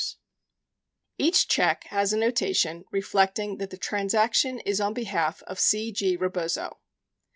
1039 Each check has a notation reflecting that the transaction is on behalf of C. G. Rebozo.